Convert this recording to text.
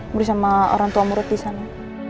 beri sama orang tua murid disana